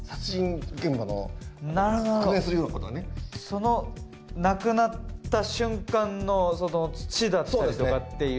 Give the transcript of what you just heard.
その亡くなった瞬間の土だったりとかっていう。